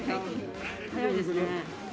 早いですね。